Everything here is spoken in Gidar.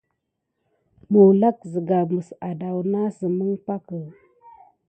Mulak zǝga mǝs ahdahnasǝm ǝn pakǝ.